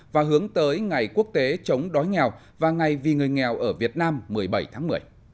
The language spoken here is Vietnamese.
và hướng tới ngày quốc tế chống đói nghèo và ngày vì người nghèo ở việt nam một mươi bảy tháng một mươi